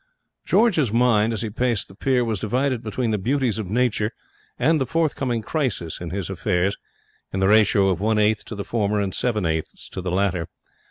George's mind, as he paced the pier, was divided between the beauties of Nature and the forthcoming crisis in his affairs in the ratio of one eighth to the former and seven eighths to the latter.